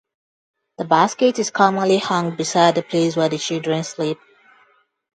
The basket is commonly hung beside the place where the children sleep.